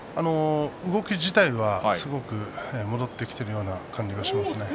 動き自体は、すごく戻ってきている感じがしますね。